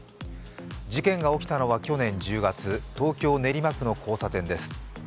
事件が起きたのは去年１０月東京・練馬区の交差点です。